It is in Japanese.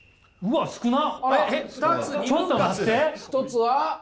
１つは？